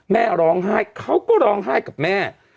แม่ร้องไห้เขาก็ร้องไห้กับแม่